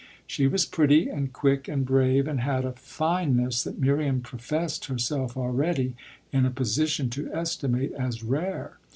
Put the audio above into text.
She was pretty and quick and brave, and had a fineness that Miriam professed herself already in a position to estimate as rare.